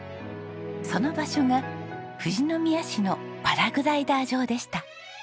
その場所が富士宮市のパラグライダー場でした。